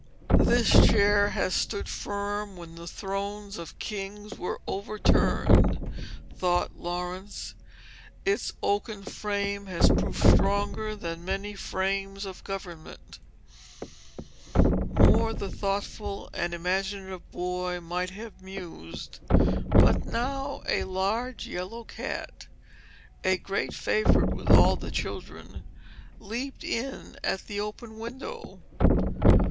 "This chair has stood firm when the thrones of kings were overturned!" thought Laurence. "Its oaken frame has proved stronger than many frames of government!" More the thoughtful and imaginative boy might have mused; but now a large yellow cat, a great favorite with all the children, leaped in at the open window.